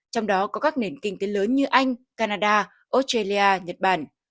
trong đó có các nền kinh tế lớn như anh canada australia nhật bản